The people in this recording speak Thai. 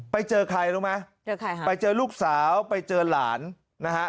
ไปเจอใครรู้ไหมเจอใครฮะไปเจอลูกสาวไปเจอหลานนะฮะ